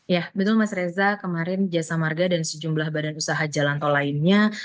ya betul mas reza kemarin jasa marga dan sejumlah badan usaha jalan tol lainnya